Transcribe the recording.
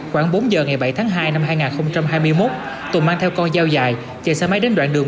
khoảng bốn giờ ngày bảy tháng hai năm hai nghìn hai mươi một tùng mang theo con dao dài chạy xe máy đến đoạn đường